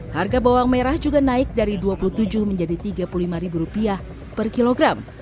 harga bawang merah juga naik dari rp dua puluh tujuh menjadi rp tiga puluh lima per kilogram